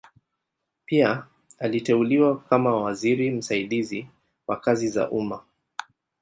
Pia aliteuliwa kama waziri msaidizi wa kazi za umma.